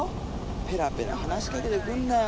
ペラペラ話しかけてくんのよ。